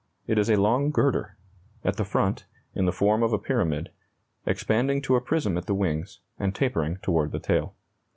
It is a long girder; at the front, in the form of a pyramid, expanding to a prism at the wings, and tapering toward the tail.